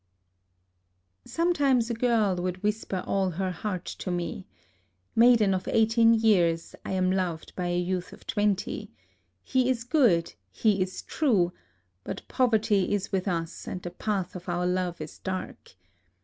" Sometimes a girl would whisper all her heart to me :" Maiden of eighteen years, I am loved by a youth of twenty. He is good ; he is true; but poverty is with us, and the path of our love is dark.